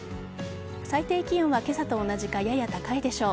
最低気温は今朝と同じかやや高いでしょう。